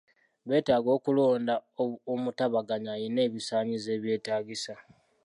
Beetaaga okulonda omutabaganya alina ebisaanyizo ebyetaagisa.